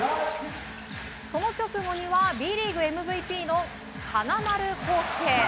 その直後にはＢリーグＭＶＰの金丸晃輔。